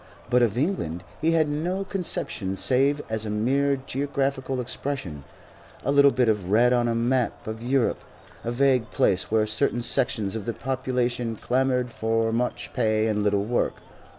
But of England he had no conception save as a mere geographical expression, a little bit of red on a map of Europe, a vague place where certain sections of the population clamoured for much pay and little work.